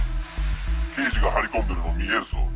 刑事が張り込んでるの見えるぞ。